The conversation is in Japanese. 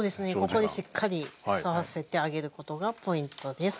ここでしっかり吸わせてあげることがポイントです。